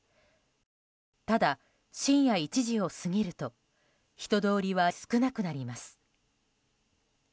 ただ深夜１時を過ぎると人通りは少なくなります。